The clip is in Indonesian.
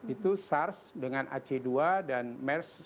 itu sars dengan ac dua dan mers dengan cd lima